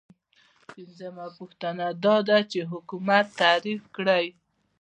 پنځمه پوښتنه دا ده چې حکومت تعریف کړئ.